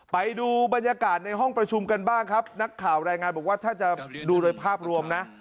ไปดูบรรยากาศในห้องประชุมกันบ้างครับนักข่าวรายงานบอกว่าถ้าจะดูโดยภาพรวมนะ